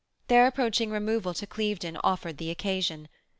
Their approaching removal to Clevedon offered the occasion.